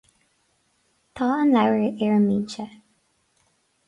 Tá an leabhar ar an mbinse